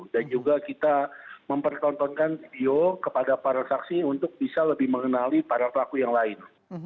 dan juga kita mempertontonkan video kepada para saksi untuk bisa lebih mengenali para pelaku yang lain